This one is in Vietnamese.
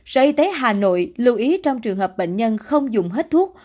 sở y tế hà nội lưu ý trong trường hợp bệnh nhân không dùng hết thuốc